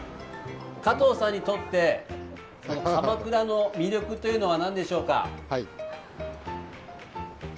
加藤さんにとって鎌倉の魅力というのはなんでしょうか？